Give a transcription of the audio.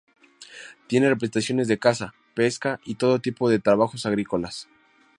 Tiene representaciones de caza, pesca y todo tipo de trabajos agrícolas.